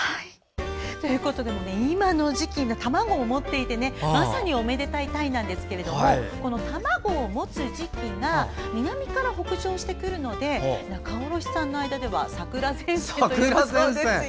今の時期、卵を持っていてまさにおめでたいタイなんですけど卵を持つ時期が南から北上してくるので仲卸さんの間では桜前線というそうですよ。